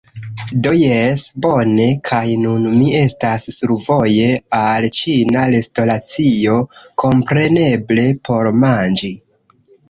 Do jes, bone. kaj nun mi estas survoje al ĉina restoracio, kompreneble, por manĝi!